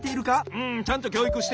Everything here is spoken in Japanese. うんちゃんときょういくして。